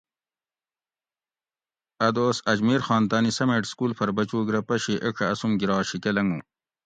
ا دوس اجمیر خان تانی سمیٹ سکول پھر بچوگ رہ پشی ایڄہ آسوم گِرا شیکہ لنگو